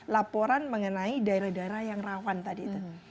laporan mengenai daerah daerah yang rawan tadi itu